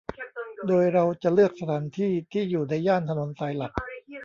โดยเราจะเลือกสถานที่ที่อยู่ในย่านถนนสายหลัก